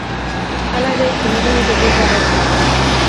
Hala ere, txuriurdinek ez diete erraz jarri.